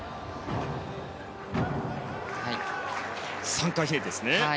３回ひねりですね。